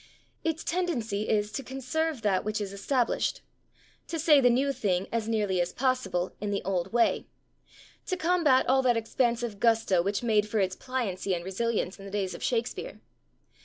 Its tendency is to conserve that which is established; to say the new thing, as nearly as possible, in the old way; to combat all that expansive gusto which made for its pliancy and resilience in the days of Shakespeare.